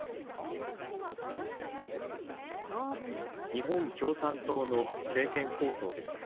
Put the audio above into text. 日本共産党の政見放送でした。